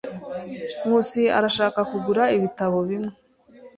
Nkusi arashaka kugura ibitabo bimwe.